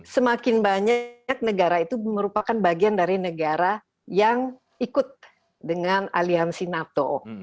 semakin banyak negara itu merupakan bagian dari negara yang ikut dengan aliansi nato